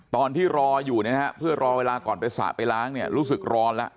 ตอนที่รออยู่เนี่ยนะฮะเพื่อรอเวลาก่อนไปสระไปล้างเนี่ยรู้สึกร้อนแล้ว